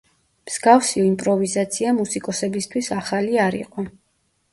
მსგავსი იმპროვიზაცია მუსიკოსებისთვის ახალი არ იყო.